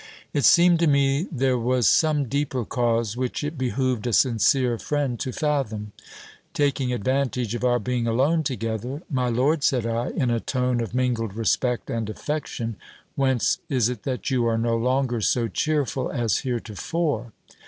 It seemed to me there was some deeper cause, which it behoved a sincere friend to fathom. Taking advantage of our being alone together, My lord, said I, in a tone of mingled respect and affection, whence is it that you are no longer so cheerful as heretofore